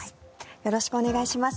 よろしくお願いします。